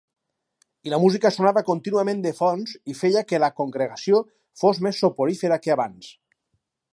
I la música sonava contínuament de fons i feia que la congregació fos més soporífera que abans.